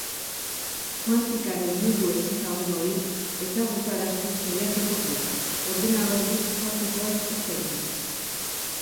Kuantikaren mundu ezezagun hori ezagutarazten saiatuko dira, ordenagailu kuantikoez hitz eginez.